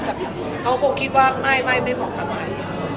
แต่เขาคงคิดว่าไม่ไม่พอกันไหม